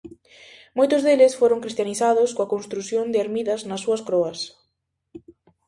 Moitos deles foron cristianizados coa construción de ermidas nas súas croas.